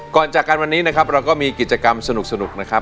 จากกันวันนี้นะครับเราก็มีกิจกรรมสนุกนะครับ